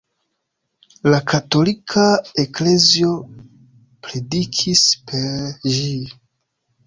La katolika eklezio predikis per ĝi.